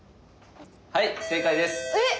はい正解です！